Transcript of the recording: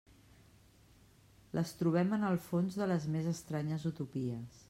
Les trobem en el fons de les més estranyes utopies.